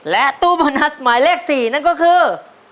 และตู้โบนัสหมายเลข๔นั่นก็คือ